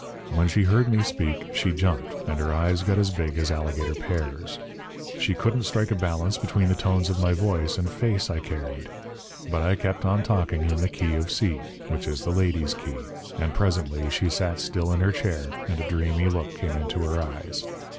When she heard me speak she jumped, and her eyes got as big as alligator pears. She couldn't strike a balance between the tones of my voice and face I carried. But I kept on talking in the key of C, which is the ladies' key; and presently she sat still in her chair and a dreamy look came into her eyes.